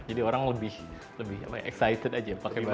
jadi orang lebih excited aja pakai baju